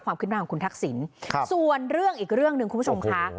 ความคืบหน้าของคุณทักษิณส่วนเรื่องอีกเรื่องหนึ่งคุณผู้ชมค่ะ